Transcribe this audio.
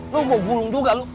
lu gue gulung juga lu